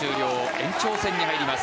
延長戦に入ります。